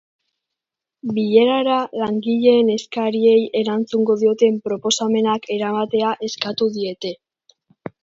Bilerara, langileen eskariei erantzungo dioten proposamenak eramatea eskatu diete.